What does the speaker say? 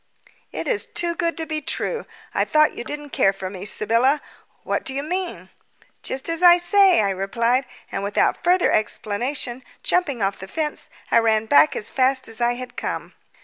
"It is too good to be true. I thought you didn't care for me. Sybylla, what do you mean?" "Just what I say," I replied, and without further explanation, jumping off the fence I ran back as fast as I had come.